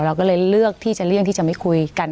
เราก็เลยเลือกที่จะเลี่ยงที่จะไม่คุยกัน